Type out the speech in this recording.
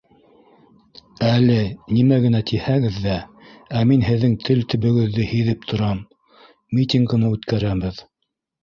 Әле нимә генә тиһәгеҙ ҙә, ә мин һеҙҙең тел төбөгөҙҙө һиҙеп торам, митингыны үткәрәбеҙ